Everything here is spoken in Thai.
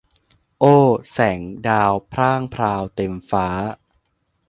โอ แสงดาวพร่างพราวเต็มฟ้า